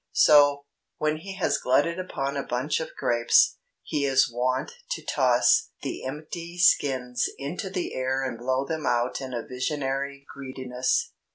So, when he has glutted upon a bunch of grapes, he is wont to toss the empty skins into the air and blow them out in a visionary greediness.